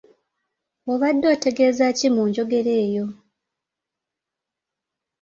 Obadde otegeeza ki mu njogera eyo?